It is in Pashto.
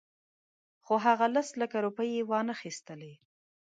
خو هغه لس لکه روپۍ یې وانخیستلې.